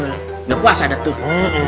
udah puasa datuh